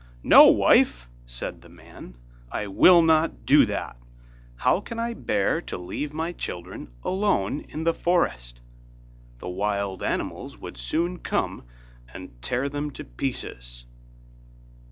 'No, wife,' said the man, 'I will not do that; how can I bear to leave my children alone in the forest? the wild animals would soon come and tear them to pieces.